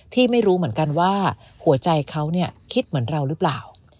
ไม่รู้เหมือนกันว่าหัวใจเขาคิดเหมือนเราหรือเปล่า